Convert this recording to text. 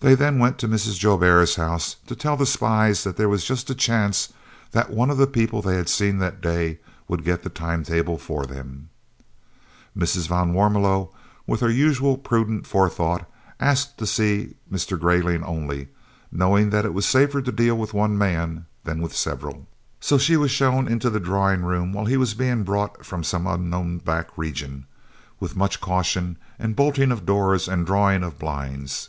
They then went to Mrs. Joubert's house to tell the spies that there was just a chance that one of the people they had seen that day would get the time table for them. Mrs. van Warmelo, with her usual prudent forethought, asked to see Mr. Greyling only, knowing that it was safer to deal with one man than with several, so she was shown into the drawing room while he was being brought from some unknown back region, with much caution and bolting of doors and drawing of blinds.